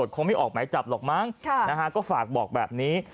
คงไม่ออกหมายจับหรอกมั้งก็ฝากบอกแบบนี้